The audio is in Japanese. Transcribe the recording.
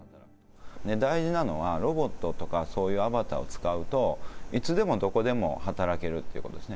大事なのは、ロボットとかそういうアバターを使うと、いつでもどこでも働けるってことですね。